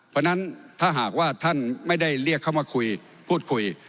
เพราะฉะนั้นถ้าหากว่าท่านไม่ได้เรียกเข้ามาคุยพูดคุย